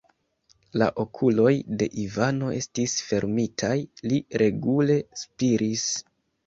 La okuloj de Ivano estis fermitaj, li regule spiris.